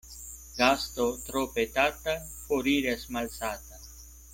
Gasto tro petata foriras malsata.